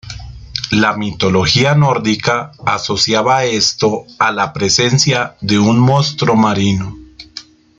La mitología nórdica asociaba esto a la presencia de un monstruo marino.